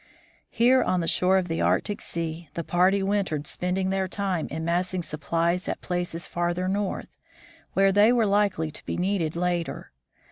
Here on the shore of the Arctic sea the party wintered, spending their time in massing supplies at places farther north, where they were likely to be needed later.